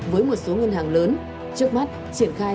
với một số ngân hàng lớn trước mắt triển khai